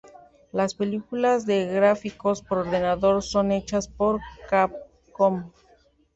Las películas de gráficos por ordenador son hechas por Capcom.